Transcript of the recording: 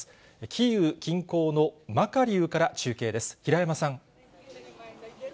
キーウ近郊のマカリウから中継です。